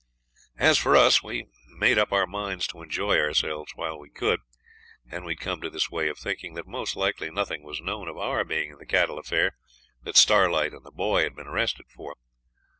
As for us, we had made up our minds to enjoy ourselves while we could, and we had come to his way of thinking, that most likely nothing was known of our being in the cattle affair that Starlight and the boy had been arrested for.